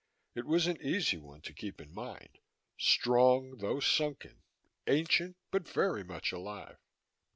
It was an easy one to keep in mind strong though sunken, ancient but very much alive.